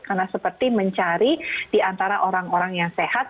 karena seperti mencari diantara orang orang yang sehat